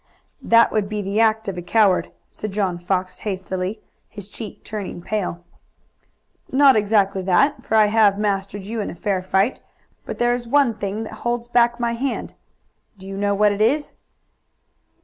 "That would be the act of a coward," said John Fox, hastily, his cheek turning pale. "Not exactly that, for I have mastered you in a fair fight, but there is one thing that holds back my hand. Do you know what it is?"